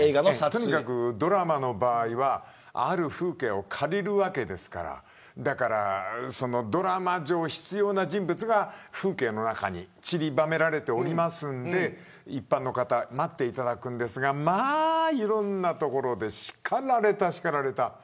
とにかく、ドラマの場合はある風景を借りるわけですからドラマ上、必要な人物が風景の中にちりばめられておりますので一般の方待っていただくんですがまあ、いろんな所で叱られた、叱られた。